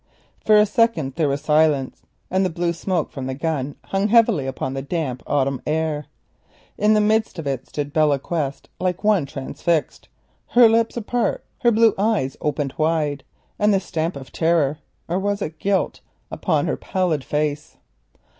For a second there was silence, and the blue smoke from the gun hung heavily upon the damp autumn air. In the midst of it stood Belle Quest like one transfixed, her lips apart, her blue eyes opened wide, and the stamp of terror—or was it guilt?—upon her pallid face.